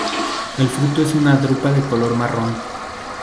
El fruto es una drupa de color marrón.